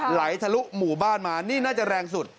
ทะลุหมู่บ้านมานี่น่าจะแรงสุด